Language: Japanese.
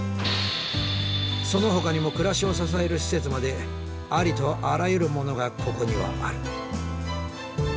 そのほかにも暮らしを支える施設までありとあらゆるものがここにはある。